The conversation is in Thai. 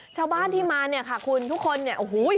ชาวบ้านที่มาเนี่ยค่ะคุณทุกคนเนี่ยโอ้โห